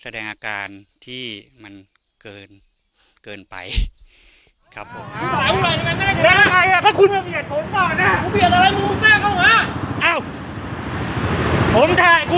แสดงอาการที่มันเกินไปครับผม